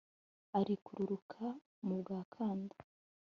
Arikururuka mu mbwa Kanda